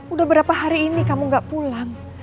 udah berapa hari ini kamu gak pulang